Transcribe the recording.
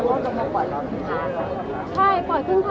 มันเป็นสิ่งที่จะให้ทุกคนรู้สึกว่ามันเป็นสิ่งที่จะให้ทุกคนรู้สึกว่า